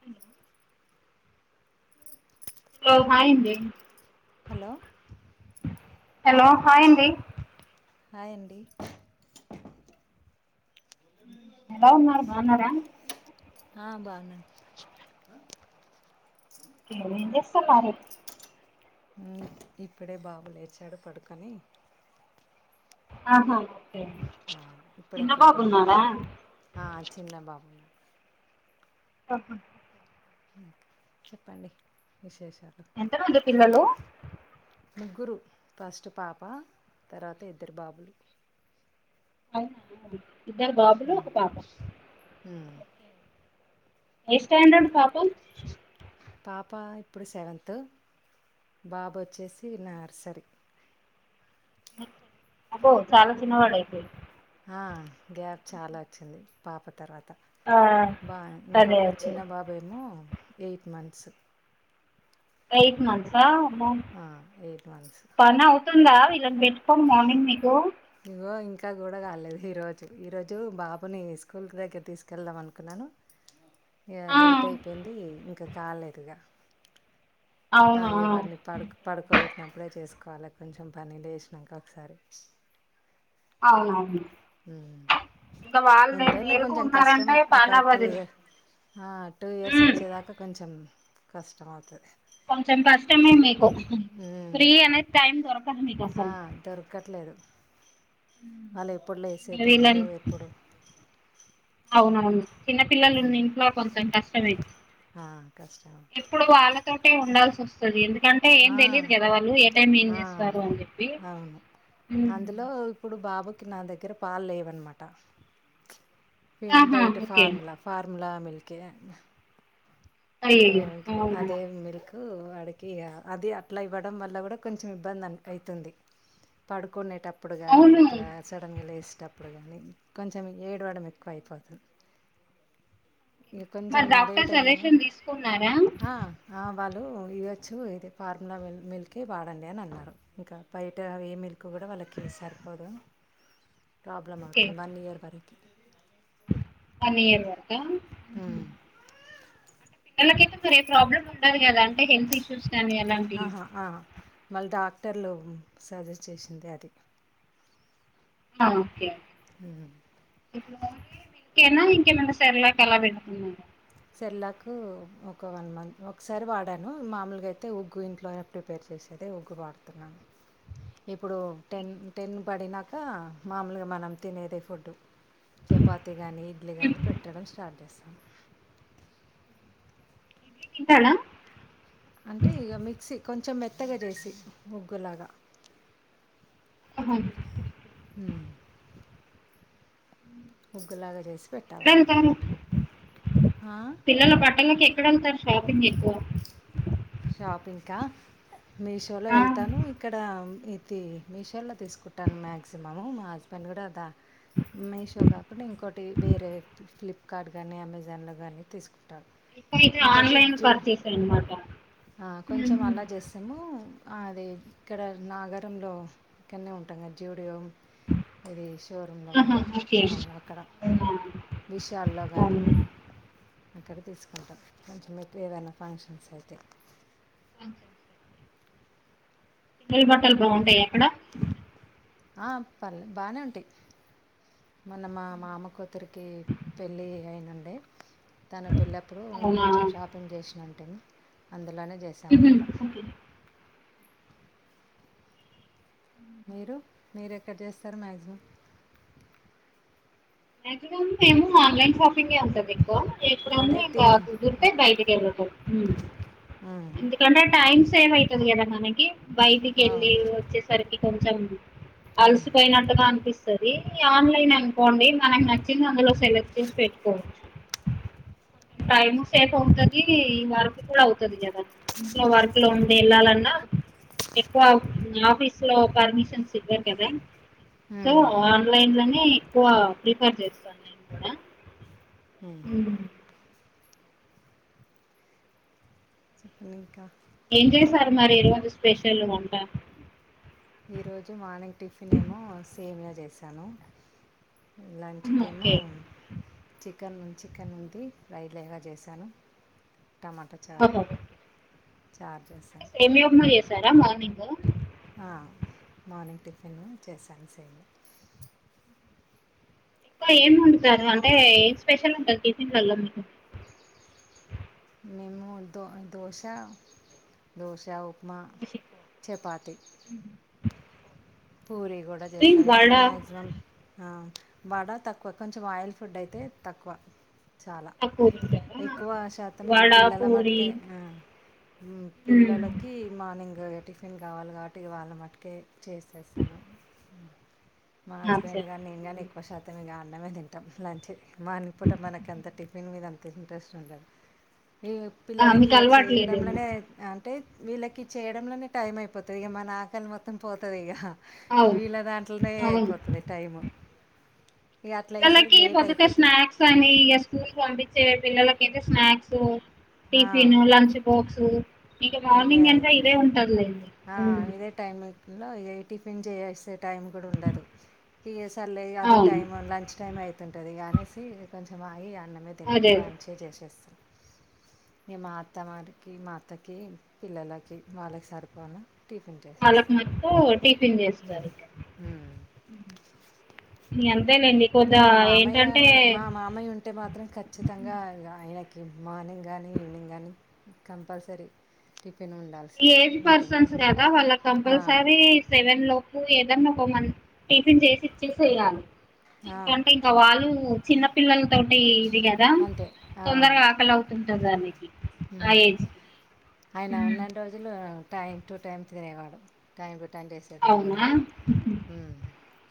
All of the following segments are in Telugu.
హ్ ఉ ఓ హాయ్ యింది హలో హెలో హాయ్ యింది హాయ్ అండి ఎలా ఉన్నారుా బావున్నారా హా బాన్న ఏ ఏం జేస్తున్నారు ఉమ్ ఇప్పుడే బాబు లేచాడు పడుకని ఆహా ఓకే ఆ ఇప్పుడే ఫీడింగ్ చిన్నబాబున్నాడా అయిపోయింది ఆ చిన్న బాబున్నా అ హా హుమ్ చెప్పండి విశేషాలు ఎంతనుంది పిల్లలు ముగ్గురు ఫస్ట్ పాప తర్వాత ఇద్దరు బాబులు అవునా ఇద్దరు బాబులు ఒక పాప ఊమ్ ఏ స్టాండర్డ్ పాపు పాప, ఇప్పుడు, సెవెన్త్, బాబు, వచ్చేసి, నర్సరీ. అబ్బో, చాలా, చిన్నవాడ, అయితే, ఆ, గ్యాప్, చాలావచ్చింది. పాపతర్వాత, ఆ బా, అదే ఇంకొక, అదే చిన్నబాబామో, ఎయిట్ మంత్స్. ఎయిట్ మంత్స్ ఆ, ఎయిట్ మంత్స్. పనీ, అవుతుందా. వీళ్లనిపెట్టుకోనీ, మరి మార్నింగ్ మీకు, ఇగో, ఇంకాకూడా, కాలేదు. ఈ, రోజు ఈ రోజు బాబుని, స్కూల్ కి దగ్గరకి, తీసుకెళ్దాం, అనుకున్నాను. అ ఇగా, లేట్, అయిపోయింది. ఇంకా, కాలేదుగా అ, అవునా ఇగ, వాడిని, పడు, పడుకోబెట్టినప్పుడే, చేసుకోవాలి. కొంచెం, పని లేసినాక, ఒకసారి, అవువును, ఎంతైనా, మేలుకు కొంచెం ఉన్నారంటే కష్టమే, ఒక, పని అవ్వదు టూఇయర్ టూ, ఇయర్స, ఉమ్ వచ్చేదాకా, కొంచెం, కష్టం, అవుతుంది. కొంచెం, కష్టమే, మీకు, ఉమ్. ఫ్రీ, అనేది. టైందొరకదు, మీకు, ఆ, అసలు, దొరకట్లేదు, వాళ్ళ, ఎప్పుడు, లేసేది. తెల్వదు. వీళ్ళని ఎప్పుడు అవునవును, చిన్నపిల్లలున్న, ఉమ్. ఇంట్లో, కొంచెం, కష్టమే, ఆ, కష్టం ఎప్పుడు, వాళ్ళ తోటే, ఉండాల్సివస్తుంది. ఎందుకంటే, ఏం, ఆ తెలియదు. కదా, వాళ్ళు ఏంటైంలో ఏం ఆ చేస్తారు. అని, చెప్పి అవును అందులో, ఇప్పుడు, బాబుకి, నా, దగ్గరపాలు, లేవన్నమాట, ఆహా బయట, ఓకే ఫార్ముల, ఫార్ముూలా, మిల్క్ అయ్యయ్యో [unintelligible] అవునా అదే మిల్క్, వాడికి, అదిఅట్లా, ఇవ్వడం, వల్ల, కూడా, కొంచెం ఇబ్బంది. అవుతుంది, పడుకునేటప్పుడు, గాని, అవును ఇట్లా, సడన్గా, లేసేటప్పుడు, కానీ, కొంచెం, ఏడువడం, ఎక్కువ అయిపోతుంది. ఇక, కొంచెం, లేట్, అయినా, కానీ కు, ఉన్నారా, వాళ్ళు, ఇయ్వచ్చు, ఇది, ఫార్ములామిల్క, వాడండి. అనిఅన్నారు. ఇంకా, బయట, అ, ఏమిల్క్, కూడావాళ్ళకి, సరిపోదు, ప్రాబ్లమ్, ఓకే అవుతుంది. వన్ఇయర్, వరకు, వన్ ఇయర్ వరక హ వాళ్ళకైతే, మరి, ఏ ప్రాబ్లమ్, ఉండదు. కదాఅండి. అంటే, హెల్త్ఇష్యూస్, కానీ అలాంటివి, ఆ, వాళ్ళు, డాక్టర్లు, సజెస్ట్, చేసిందే, అది, హ, ఓకే, హ ఇప్పుడు, ఇంతేనా, ఇంకేమన్నా, సెరిలాక్ అలా పెడుతున్నారా సెరిలక్, ఒకవన్, మంత్, ఒకసారి, వాడాను. మామూలుగా, అయితే, ఉగ్గుఇంట్లో, ప్రిపేర్, చేసేది. ఉగ్గు, వాడుతున్నాను. ఇప్పుడు, టెన్, టెన్, పడినాక, మామూలుగా, మనం, తినేది, ఫుడ్డు, చపాతి గానీ ఇడ్లీ గాని పెట్టడం స్టార్ట్ చేస్తాం ఇంటనా అంటే ఇగ మిక్సీ కొంచెం మెత్తగ చేసి ఉగ్గులాగా అహను హ్మ్ ఉగ్గులాగా చేసి పెట్టాలన్మాట ఎక్కడెళ్తారు ఆ పిల్లల బట్టలకే ఇక్కడన్త షాపింగ్ ఎక్కువ షాపింగ్కా మీషోలో ఆ వెళ్తాను ఇక్కడ ది మీషోలో తీసుకుంటాను మాక్సీమమ్ మా హస్బెండ్ కూడా ద మీషో కాకుండా ఇంకోటి వేరే ఫ్లిప్కార్ట్ గానీ అమెజాన్లో గానీ తీస్కుంటారు ఎటైతే ఆన్లైన్ పర్చేస్ అన్మాట హా కొంచెం అలా చేసము అది ఇక్కడ నాగరంలో ఇక్కనే ఉంటది గా జ్యూడియో ఇది షోరూమ్ లో ఆహా గానీ ఓకే మాములు అక్కడ అవునా విశాల్లో గానీ అవును అక్కడె తీసుకుంటా కొంచెం ఎప్పుడు ఏదనా ఫంక్షన్స్ అయితే [inaudible] పెళ్లి బట్టల్ బాగుంటాయ అక్కడ ఆ పర్లేదు బానే ఉంటయ్ మొన్న మా మామ కొ ఇత్తరికి పెళ్ళి అయినుండే తన పెళ్ళప్పుడు అవునా కొంచెం షాప్ మొత్తం జెసినంటేనే అందులోనే చేసాం మ్మ్. అన్మాట ఓకే మీరు మీరు ఎక్కడ చేస్తారు మాక్సిమమ్ మాక్సిమమ్ మేము ఆన్లైన్ షాపింగే వుంటది ఎక్కువ ఎప్పుడన్నా అదే తి ఇంకా కుదిరితే బయటికి ఎల్లుతాం హ్మ్ కొనే టైం సేవ్ అవుతది కదా మనకి బయటికి యెళ్ళి అవు. వచ్చేసరికి కొంచం హ్మ్. అల్సిపోయినట్టుగా అనిపిస్తది ఆన్లైన్ అనుకోండి తనకు నచ్చింది అందులో సెలెక్ట్ చేసి పెట్టుకోవచ్చు టైం సేఫ్ అవుతుది ఈ వర్క్ కూడా అవుతది కదా ఇంట్లో వర్క్ ట్ లో వుండి యెళ్ళాలన్నా ఎక్కువ ఆఫీస్ లో పర్మిషన్స్ ఇవ్వరు కదా సో హ్మ్. ఆన్లైన్ లోనే ఎక్కువ ప్రిఫర్ చేస్తాన్ నేను కూడా హ్మ్. ఉ చెప్పండి ఇంకా ఏం చేసారు మరి ఈ రోజు స్పెషల్ వంట ఈరోోజు మార్నింగ్ టిఫిన్ ఏమో సేమ్యా చేశాను లంచ్ కేమో ఓకే చికెన్ చికెన్ ఉంది ఫ్రై లాగా చేశాను టమాటా చారు చార్ జెసాను సేమ్యా ఉక్మ చేసారా మార్నింగు ఆ మార్నింగ్ టిఫిను చేశాన్ సేమ్యా ఇంకా ఏమ్ వన్డుతారు అంటే ఏం స్పెషల్ ఉంటది టిఫిన్లల్లో మీకు మేము దో దోశ దోశ ఉప్ మా చపాతి పూరీ గూడా ఇవి చేస్తా ఎక్ వడ మాక్సిమం ఆ వడ తక్కువ కొంచెం ఆయిల్ ఫుడ్ అయితే తక్కువ చాలా తక్కువ తింటారా ఎక్కువ శాతం ఇగ వడ పిల్లల పూరి మట్టుకే ఆ ఉమ్ మ్మ్. పిల్లలకి కి మార్నింగ్ టిఫిన్ గావాలి కాబట్టి వాళ్ళ మట్టుకే చేసేస్త మా ఆ హస్బెండ్ సరే గాని ఇంగనే ఎక్కువ శాతం ఇగ అన్నమే తింటాం లంచ్ మానింగ్ పూట మనకి అంత టిఫిన్ మీద అంత ఇంట్రెస్ట్ ఉండదు వీళ్ళు ఆ పిల్లలకి మీకు ఇగ అలవాటు లేదేమో చేయడంలనే ఆ అంటే వీళ్ళకి చేయడంలోనే టైం అయిపోతది ఇగ మన ఆకలి మొత్తం పోతది ఇగ అవును వీళ్ళ దాంట్లనే అవును అయిపోతది టైము ఇగ అట్లా అయ్యేసరికి లేట్ అయిపోతది కాని ఇగ స్కూల్ పంపించే పిల్లలకైతే స్నాక్స్ టిఫిన్ లంచ్ బాక్సు ఇంక ఇవే మార్నింగ్ అంత ఇదే ఉంటదిలేండి టైం అయితుందా ఏ టిఫిన్ చేసే టైం కూడా ఉండదు ఇగ సర్లే అది అవును టైం లంచ్ టైం అయితుంటది అనేసి కొంచెం ఆగి అన్నమే అదే లంచే చేసేస్తాను ఇగ మా అత్త వారికి మా అత్త కి పిల్లలకి వాళ్ళకి సరిపోను టిఫిన్ వాళ్ళకు చేసేస్తాం. మొత్తం టిఫిన్ హ్మ్. చేస్తరు ఇగ హ్మ్. అంతే లేండి కొద్ది మా మామయ్య ఏంటంటే మా మామయ్య ఉంటే మాత్రం ఖచ్చితంగా ఆయనకి మార్నింగ్ గానీ ఈవినింగ్ గానీ కంపల్సరీ టిఫిన్ ఉండాలి ఏజ్ పర్సన్స్ కదా వాళ్ళకి ఆ! కంపల్సరీ సెవెన్ లోపు ఏదన్నా ఒక మం టిఫిన్ చేసి ఇచ్చేయాలి ఆ! ఎందుకంటే ఇంకా వాళ్ళు చిన్న పిల్లల తోటి ఇది గదా అంతే. ఆ! తొందరగా ఆకలి అవుతుంటది ఆయనకి ఆ హ్మ్. ఏజ్ కి ఆయన హ్మ్. ఉన్నన్ని రోజులు టైం టు టైమ్ తినేవాడు టైం టు టైం చేసేదాన్ని అవునా నేను గూడా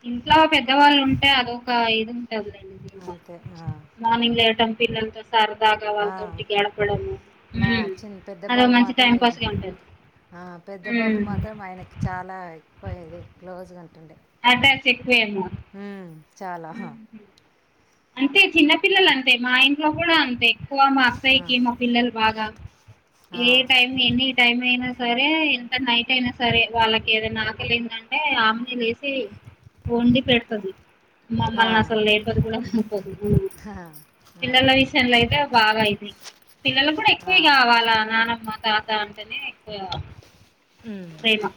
ఇంట్లో పెద్దవాళ్ళు ఉంటే అదొక ఇది ఉంటదిలే అంతే ఆ మార్నింగ్ లేవటం పిల్లలతో సరదాగా ఆ! వాళ్ళతోటి గడపడము మా చిన్ పెద్ద అదో బాబు మంచి మాత్రం టైం ఇగ పాస్ గా ఉంటది ఆ పెద్ద బాబు హ్మ్. మాత్రం ఆయనకి చాలా ఎక్కువది క్లోజ్గా ఉంటుండే అటాచ్ ఎక్కువేమో హా చాలా హా హుహు. అంతే చిన్నపిల్లలు అంతే మా ఇంట్లో కూడా అంతే ఎక్కువ మా ఆ! అత్తయికి మా పిల్లలు బాగా ఆ! ఏ టైమ్ ఎనీ టైం అయినా సరే ఎంత నైట్ అయినా సరే వాళ్ళకి ఏదైనా ఆకలి అయిందంటే సరే ఆమెనే లేసి వండి పెడుతది ఆ! మమ్మల్ని అసలు లేేపదు గూడా లేపదు ఆ! ఆ! పిల్లల విషయంలో అయితే బాగా ఇది పిల్లలు కూడా ఎక్కువ ఆ! ఇగ వాళ్ళ నానమ్మ తాత అంటేనే ఎక్కువ ఉమ్ ప్రేమ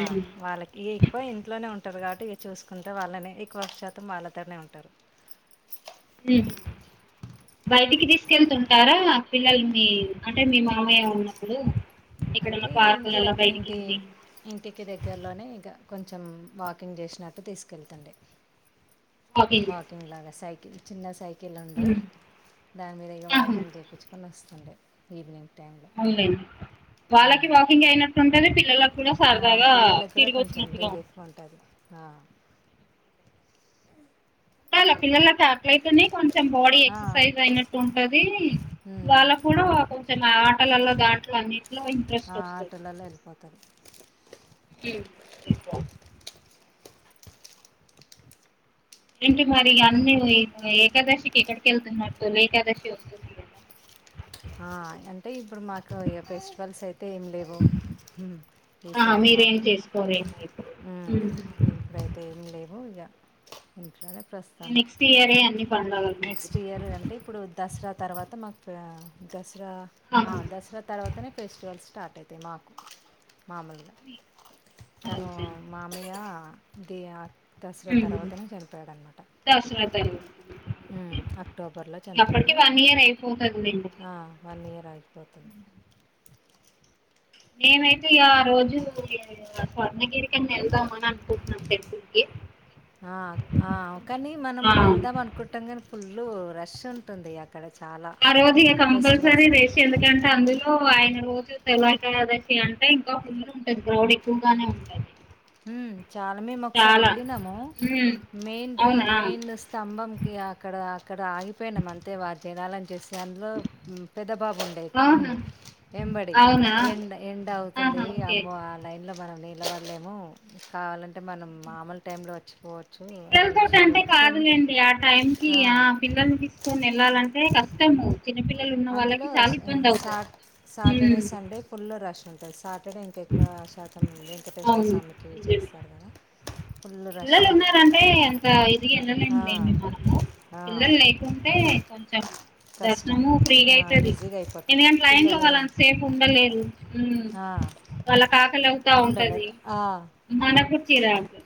ఆ వాళ్ళకి ఇగ ఎక్కువ ఇంట్లోనే ఉంటారు కాబట్టి ఇగ చూసుకుంటే వాళ్ళనే ఎక్కువ శాతం వాళ్ళతోనే ఉంటరు ఈ బయటికి తీసుకెళ్తుంటారా పిల్లలు మీ అంటే మీ మామయ్య ఉన్నప్పుడు అంటే ఎక్కడన్నా ఇంటి పార్కులలో దగ్గ బయటికి ఇంటి ఈవినింగ్ ఇంటికి దగ్గరలోనే ఇక కొంచెం వాకింగ్ చేసినట్టు తీసుకెళ్తుండే వాకింగ్ లాగా సైకిల్ చిన్న సైకిల్ ఉండే దాని మీద ఇక ఆహా, వాకింగ్ చేపైచ్చుకొని వస్తుండే ఈవినింగ్ టైంలో అవులేండి వాళ్ళకి హ్మ్. వాకింగ్ అయినట్టుంటది పిల్లల కూడా ఆ! సరదాగా పిల్లలకి కూడా తిరిగి కొంచెం వచ్చినట్లుగా రిలీఫ్‌గా ఉంటది ఆ పిల్లలకి అట్లయితేనే కొంచెం బాడీ ఆ! ఎక్సర్సైజ్ అయినట్టు ఉంటది హ్మ్. వాళ్ళ కూడా కొంచెం ఆటలల్లో దాంట్లో అన్నిట్లో ఇంట్రెస్ట్ వస్తుంది ఆటోలల్లో వెళ్ళిపోతాంది హ్మ్ ఏంటి మరి అన్ని ఏకాదశికి ఎక్కడికి వెళ్తున్నట్టు తొలి ఏకాదశి వస్తుంది కదా అంటే ఇప్పుడు మాకు ఇగ ఫెస్టివల్స్ అయితే ఏమి లేవు ఆ ఈసారి మీరేం మాకు చేసుకోరెమో ఇప్పుడు మ్మ్ ఇప్పుడైతే ఏమి లేవు ఇగ ఇంట్లోనే ప్రస్తుతానికి నెక్స్ట్ ఇయరే అన్ని పండుగలు మీకు నెక్స్ట్ ఇయర్ అంటే ఇప్పుడు దసరా తర్వాత మాకు దసరా ఆ ఆహా, దసరా తర్వాతనే ఫెస్టివల్స్ స్టార్ట్ అవుతాయి మాకు మామూలుగా మీ- తను అవును సార్. మామయ్య ది దసరా తర్వాతనే చనిపోయాడనమాట దసరాతరువాత అక్టోబర్లో చనిపోయడు క్లియార్ అయిపోతది లెండి వన్ ఇయర్ ఆగిపోతుంది మేమైతే ఆ రోజు స్వర్ణగిరికని ఎల్దామనీ అన్కుటాన టెంపుల్కి ఆ ఆ కాని మనం ఆ వెళ్దాం అను కుట్టంగానే పుల్లు రష్ ఉంటుంది అక్కడ చాలా ఆ రోజు ఇక ఫెస్టివల్స్ కంపల్సరీ అప్పుడు. రేసి ఎందుకంటే అందులో ఆయన రోజు తెలి ఏకాదశి అంటే ఇంకా ఫుల్ ఉంటది క్రౌడ్ ఎక్కువగానే ఉంటది ఉ చాలా మేము ఒకసారి చాలా వెళ్ళినాము ఉమ్ మెయిన్ రో అవునా మెయిన్ స్తంభం క అక్కడ అక్కడ ఆగిపోయిన అంతే వారు జనాలని చూసి అందులో పెద్ద బాబు ఉండే ఆహా వెంబడి అవునా ఎండ ఎండ ఆహా అవుతుంది ఓకే అమ్మో లైన్లో మనం నిలబడలేము కావాలంటే మనం మామూలు టైంలో వచ్చిపోవ చ్చు పిల్లలతోటి అ అంటే శని కాదులేండి ఆ టైంకి ఆ పిల్లల్ని తీసుకొని వెళ్లాలంటే కష్టము చిన్న పిల్లలు అందులో సా సాటర్డే హ్మ్ సండే ఫుల్ రష్ ఉంటది సాటర్డే ఇంక ఎక్కువ శాతం వెంకటేశ్వర అవును స్వామికి నిజమే చేస్తారు కదా ఫుల్ రష్ పిల్లలు ఉంది ఉన్నరంటే అంత ఎదిగి ఎల్లలేం ఆ, లెండి మనము ఆ, పిల్లలు లే ఉంటే కొంచెం కష్టం దర్శనము ఫ్రీగా ఆ, అయితది ఈజీగా అయిపోతాయి ఎందుకంటే లైన్ లో పిల్లలు వాళ్ళ అంతసేఫ్ ఉండలేరు ఆ, వాళ్ళ కాకలి అవుతా ఉంటది ఉండలేరు ఆ, మనకు చిరాకు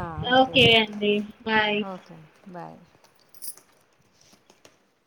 అంతే ఓకే అండి బాయ్ ఓకే అం బాయ్